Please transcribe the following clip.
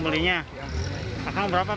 belum sampai yang belinya